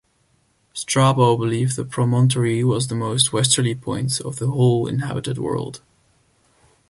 Strabo believed the promontory was the most westerly point of the whole inhabited world.